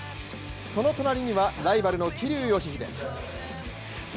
その隣にはライバルの桐生祥秀。